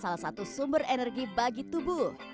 salah satu sumber energi bagi tubuh